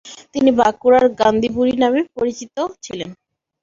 তিনি বাঁকুড়ার গান্ধীবুড়ি নামে পরিচিত ছিলেন।